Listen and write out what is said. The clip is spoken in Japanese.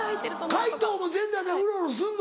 皆藤も全裸でうろうろすんの？